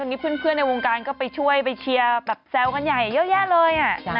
นี่เพื่อนในวงการก็ไปช่วยไปเชียร์แบบแซวกันใหญ่เยอะแยะเลย